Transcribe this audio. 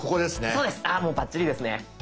そうですあもうバッチリですね。